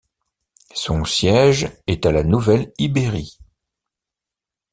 Son siège est à La Nouvelle-Ibérie.